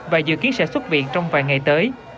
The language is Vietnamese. và dự kiến sẽ xuất viện trong vài ngày tới